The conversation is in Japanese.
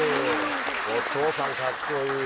お父さんかっちょいい。